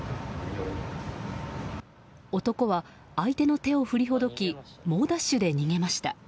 男は相手の手を振りほどき猛ダッシュで逃げました。